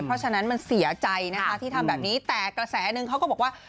เพราะฉะนั้นมันเสียใจนะคะที่ทำแบบนี้แต่กระแสนึงเขาก็บอกว่า